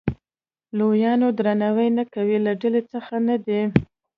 لویانو درناوی نه کوي له ډلې څخه نه دی.